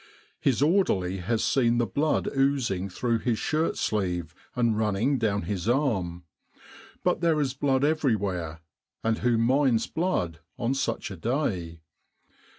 His orderly has seen the blood oozing through his shirt sleeve and running down his arm; but there is blood everywhere, and who minds blood on such a day